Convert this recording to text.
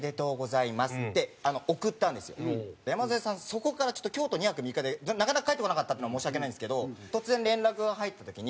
そこからちょっと京都に２泊３日でなかなか帰ってこなかったっていうのは申し訳ないんですけど突然連絡が入った時に。